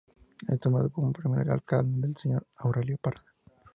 Es nombrado como primer alcalde, el señor Aurelio Parada.